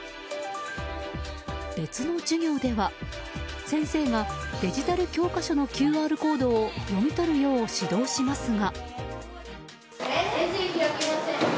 別の授業では、先生がデジタル教科書のＱＲコードを読み取るよう指導しますが。